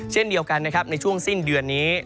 เช่นเดียวกันนะครับในช่วงสิ้นเดือนนี้